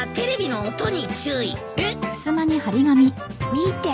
見て。